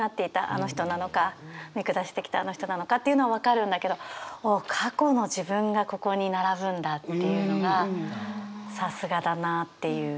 あの人」なのか「見下してきたあの人」なのかっていうのは分かるんだけど「過去の自分」がここに並ぶんだっていうのがさすがだなっていう。